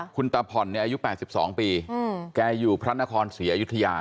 คุณตาผ่อนเนี่ยอายุ๘๒ปีแกอยู่พระนครศรีอยุธยา